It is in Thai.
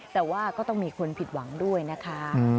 แต่ว่าก็ต้องมีคนผิดหวังด้วยนะคะ